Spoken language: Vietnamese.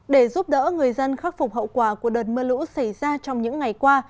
để giúp đỡ người dân khắc phục hậu quả của đợt mưa lũ xảy ra trong những ngày qua